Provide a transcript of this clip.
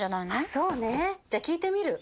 そうねじゃ聞いてみる。